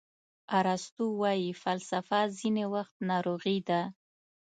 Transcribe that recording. ارسطو وایي فلسفه ځینې وخت ناروغي ده.